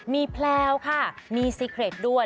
มีแพลวค่ะมีซีเครดด้วย